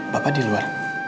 bapak di luar